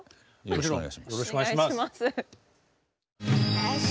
よろしくお願いします！